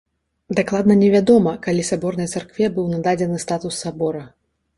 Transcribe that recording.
Дакладна невядома, калі саборнай царкве быў нададзены статус сабора.